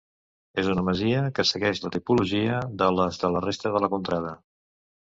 És una masia que segueix la tipologia de les de la resta de la contrada.